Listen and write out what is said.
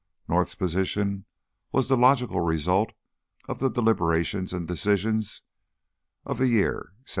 North's position was the logical result of the deliberations and decisions of the year 1787.